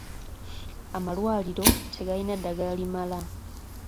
Amalwaliro tegalina ddagala limala.